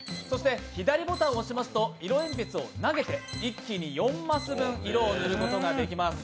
左ボタンを押すと色鉛筆を投げて一気に４マス分色を塗ることができます。